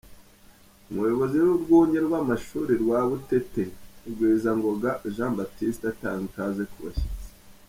Umuyobozi w'urwunge rw'amashuri rwa Butete Rugwizangoga Jean Baptiste atanga ikaze ku bashyitsi.